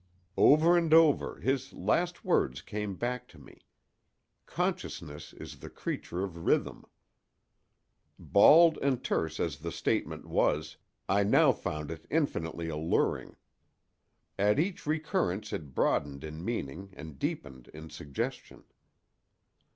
Over and over, his last words came back to me: "Consciousness is the creature of Rhythm." Bald and terse as the statement was, I now found it infinitely alluring. At each recurrence it broadened in meaning and deepened in suggestion.